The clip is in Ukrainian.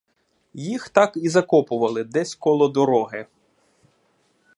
Їх так і закопували десь коло дороги.